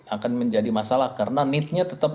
akan menjadi masalah karena neednya tetap